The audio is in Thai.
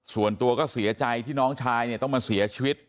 ส่วนตัวก็เสียใจที่น้องชายเนี่ยต้องมาเสียชีวิต